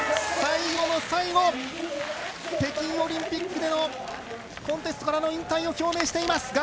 最後の最後北京オリンピックでのコンテストからの引退を表明しています